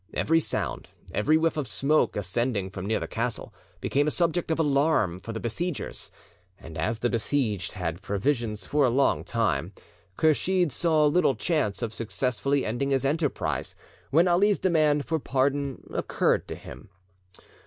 Every sound, every whiff of smoke, ascending from near the castle, became a subject of alarm for the besiegers. And as the besieged had provisions for a long time, Kursheed saw little chance of successfully ending his enterprise; when Ali's demand for pardon occurred to him.